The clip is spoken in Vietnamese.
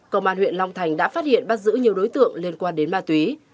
công an huyện long thành đã phát hiện bắt giữ nhiều đối tượng liên quan đến ma túy